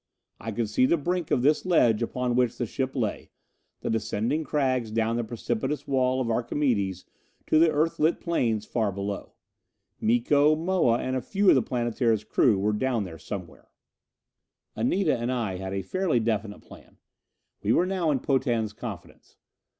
I could see the brink of this ledge upon which the ship lay, the descending crags down the precipitous wall of Archimedes to the Earthlit plains far below. Miko, Moa, and a few of the Planetara's crew were down there somewhere. Anita and I had a fairly definite plan. We were now in Potan's confidence.